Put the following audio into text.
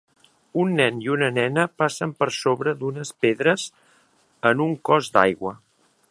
Un nen i una nena passen per sobre d'unes pedres en un cos d'aigua